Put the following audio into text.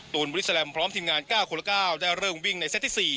ตูนบริษัทแรมพร้อมทีมงานก้าวโคลก้าวได้เริ่มวิ่งในเซ็ตที่สี่